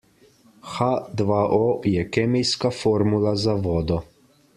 H dva O je kemijska formula za vodo.